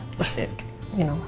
terus dia gitu minum